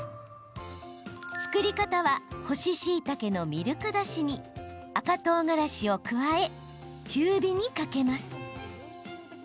作り方は、干ししいたけのミルクだしに赤とうがらしを加え中火にかけます。